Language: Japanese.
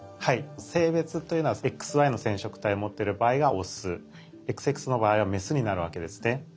性別というのはＸＹの染色体を持ってる場合がオスＸＸの場合はメスになるわけですね。